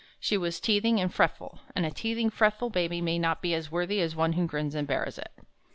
She was teething and fretful, and a teething, fretful baby may not be as worthy as one who grins and bears it.